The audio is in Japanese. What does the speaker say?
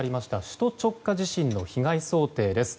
首都直下地震の被害想定です。